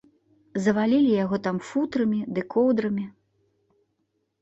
Завалілі яго там футрамі ды коўдрамі.